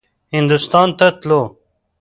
هندوستان ته تلو.